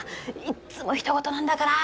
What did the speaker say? いっつも他人事なんだから。